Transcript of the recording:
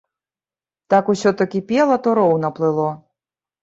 Так усё то кіпела, то роўна плыло.